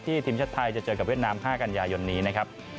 ทีมชาติไทยจะเจอกับเวียดนาม๕กันยายนนี้นะครับ